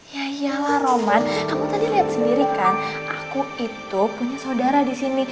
ya iyalah roman kamu tadi lihat sendiri kan aku itu punya saudara disini